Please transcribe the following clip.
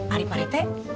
ari pak rete